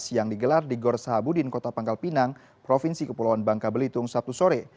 yang digelar di gor sahabudin kota pangkal pinang provinsi kepulauan bangka belitung sabtu sore